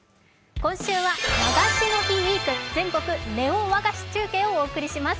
今週は「和菓子の日ウィーク全国ネオ和菓子中継」をご紹介します。